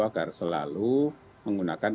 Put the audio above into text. agar selalu menggunakan